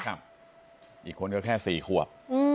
อีกคนก็แค่๔ขวบ